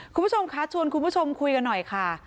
คุณผู้ชมคะชวนคุณผู้ชมคุยกันหน่อยค่ะ